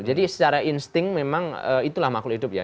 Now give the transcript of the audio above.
jadi secara insting memang itulah makhluk hidup ya